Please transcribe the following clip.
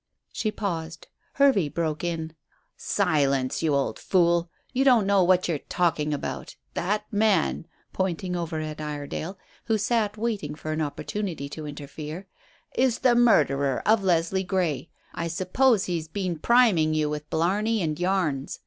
She paused. Hervey broke in "Silence, you old fool! You don't know what you're talking about. That man," pointing over at Iredale, who sat waiting for an opportunity to interfere, "is the murderer of Leslie Grey. I suppose he has been priming you with blarney and yarns.